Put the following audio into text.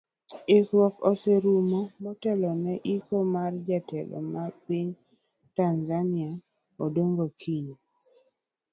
Ikruok oserumo motelo ne iko mar jatend piny tanzania Odongo kiny.